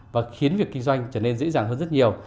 và khiến việc kinh doanh trở nên dễ dàng hơn rất nhiều